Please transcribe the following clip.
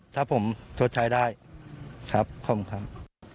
ถ้าผมชดใช้ได้ครับขอบคุณครับ